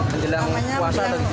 menjelang puasa atau